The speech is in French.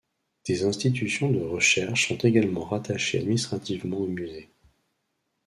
Des institutions de recherche sont également rattachées administrativement au Musée.